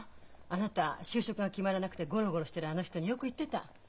あなた就職が決まらなくてゴロゴロしてるあの人によく言ってた。